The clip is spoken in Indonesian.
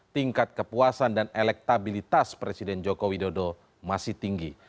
tingkat kepuasan dan elektabilitas presiden jokowi dodo masih tinggi